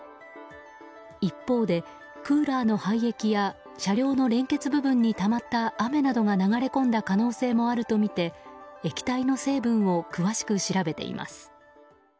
一方でクーラーの廃液や車両の連結部分にたまった雨などが流れ込んだ可能性もあるとみて液体の成分を詳しく調べています。